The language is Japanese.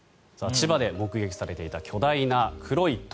千葉で目撃されていた巨大な黒い鳥。